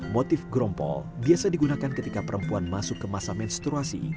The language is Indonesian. motif gerompol biasa digunakan ketika perempuan masuk ke masa menstruasi